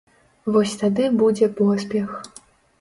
Вось тады будзе поспех.